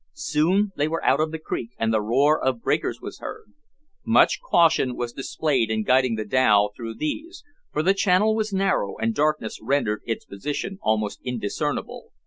Soon they were out of the creek, and the roar of breakers was heard. Much caution was displayed in guiding the dhow through these, for the channel was narrow, and darkness rendered its position almost indiscernible.